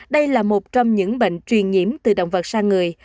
đây là một trong những bệnh truyền nhiễm từ động vật sang người